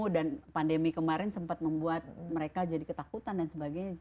dan pandemi kemarin sempat membuat mereka jadi ketakutan dan sebagainya